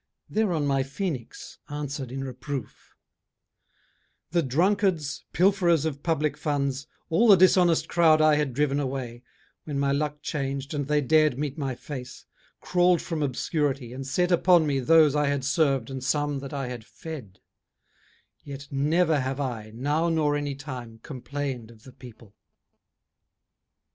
Thereon my phoenix answered in reproof, 'The drunkards, pilferers of public funds, All the dishonest crowd I had driven away, When my luck changed and they dared meet my face, Crawled from obscurity, and set upon me Those I had served and some that I had fed; Yet never have I, now nor any time, Complained of the people.'